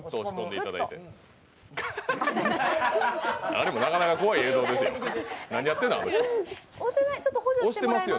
あれもなかなか怖い映像ですよ。